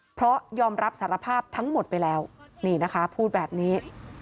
เพราะยอมรับสารภาพทั้งหมดไปแล้วนี่นะคะพูดแบบนี้